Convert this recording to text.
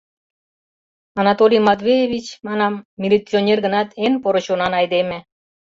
«Анатолий Матвеевич, — манам, — милиционер гынат, эн поро чонан айдеме.